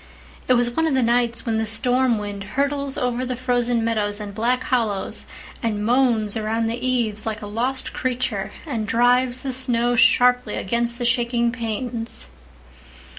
It was one of the nights when the storm wind hurtles over the frozen meadows and black hollows, and moans around the eaves like a lost creature, and drives the snow sharply against the shaking panes.